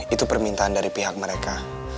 itu permintaan dari pihak mereka